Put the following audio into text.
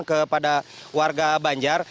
kepada warga banjar